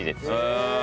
へえ。